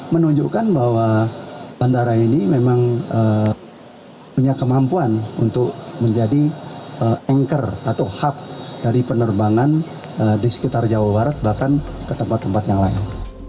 menunjukkan bahwa bandara ini memang punya kemampuan untuk menjadi anchor atau hub dari penerbangan di sekitar jawa barat bahkan ke tempat tempat yang lain